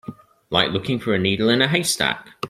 Like looking for a needle in a haystack.